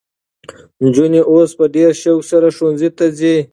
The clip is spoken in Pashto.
نجونې اوس په ډېر شوق سره ښوونځي ته ځي.